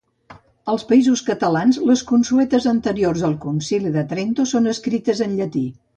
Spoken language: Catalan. Als Països Catalans, les consuetes anteriors al Concili de Trento, són escrites en llatí.